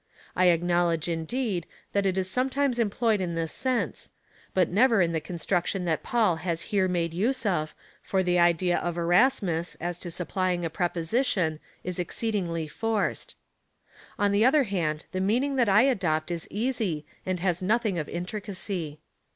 I acknowledge, indeed, that it is sometimes employed in this sense, but never in the construction that Paul has here made use of, for the idea of Erasmus, as to supplying a preposition,^ is exceedingly forced. On the other hand, the meaning that I adopt is easy, and has nothing of intricacy.